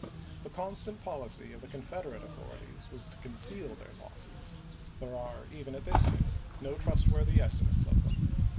The constant policy of the Con federate authorities was to conceal their losses; there are even at this day no trustworthy esti mates of them.